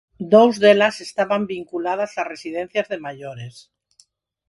Dous delas estaban vinculadas a residencias de maiores.